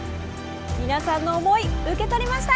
皆さんの思い受け取りました。